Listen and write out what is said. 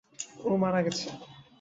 ও মারা গেছে!